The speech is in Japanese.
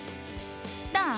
どう？